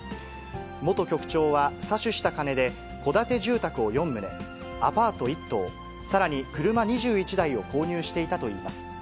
元局長は、詐取した金で、戸建て住宅を４棟、アパート１棟、さらに、車２１台を購入していたといいます。